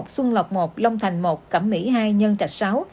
xuân lộc một long thành một cẩm mỹ hai nhân trạch sáu